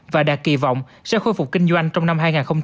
và đạt kỳ vọng sẽ khôi phục kinh doanh trong năm hai nghìn hai mươi